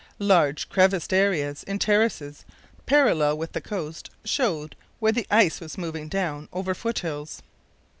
Large crevassed areas in terraces parallel with the coast showed where the ice was moving down over foot hills.